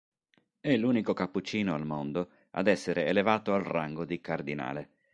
È l'unico cappuccino al mondo ad essere elevato al rango di cardinale.